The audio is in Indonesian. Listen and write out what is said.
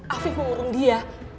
afi pengurung dia